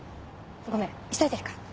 ごめん急いでるから。